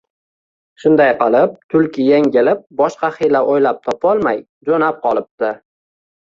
Shunday qilib Tulki yengilib, boshqa hiyla o’ylab topolmay jo’nab qolibdi